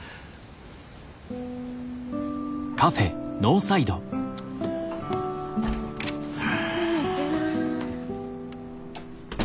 ・こんにちは。